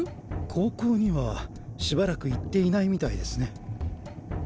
高校にはしばらく行っていないみたいですね。